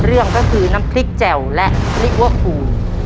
เรื่องก็คือน้ำพริกแจวและเรียกว่าภู